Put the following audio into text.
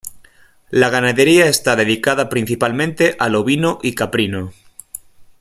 La ganadería está dedicada principalmente al ovino y caprino.